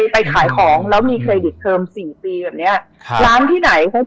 ไปขายของแล้วมีเครดิตเทอม๔ปีแบบนี้